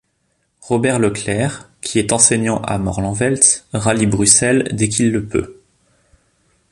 Robert Leclercq, qui est enseignant à Morlanwelz, rallie Bruxelles dès qu'il le peut.